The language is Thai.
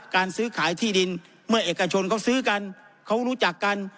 การซื้อขายที่ดินเมื่อเอกชนเขาซื้อกันเขารู้จักกัน